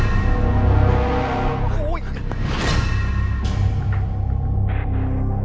ไปไอ้มายอยู่ออกชีวิตให้ไว้